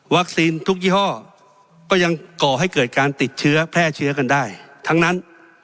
ทุกยี่ห้อก็ยังก่อให้เกิดการติดเชื้อแพร่เชื้อกันได้ทั้งนั้น